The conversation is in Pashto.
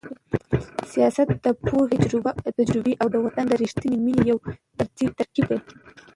سیاست د پوهې، تجربې او د وطن د رښتینې مینې یو ترکیب دی.